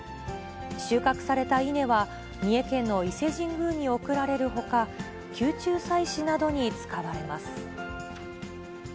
収穫された稲は、三重県の伊勢神宮に送られるほか、宮中祭しなどに使われます。